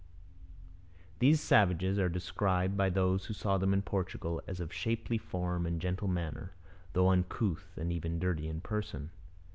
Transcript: These savages are described by those who saw them in Portugal as of shapely form and gentle manner, though uncouth and even dirty in person.